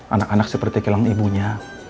anak anak seperti kehilangan ibunya